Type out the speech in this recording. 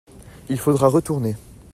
il faudra retourner.